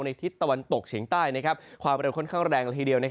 ทิศตะวันตกเฉียงใต้ความเร็วค่อนข้างแรงละทีเดียว